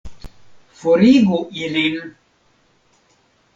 Forigu ilin!